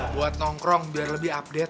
buat nongkrong biar lebih update